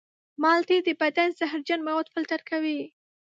مالټې د بدن زهرجن مواد فلتر کوي.